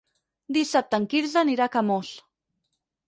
Dissabte en Quirze anirà a Camós.